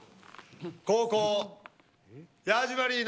後攻ヤジマリー。